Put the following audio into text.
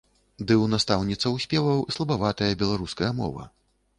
Ды ў настаўніцы спеваў слабаватая беларуская мова.